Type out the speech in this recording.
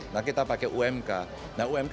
nah kita pakai umk